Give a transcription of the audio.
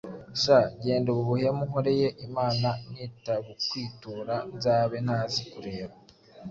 Sha, genda ubu buhemu unkoreye Imana nitabukwitura nzabe ntazi kureba!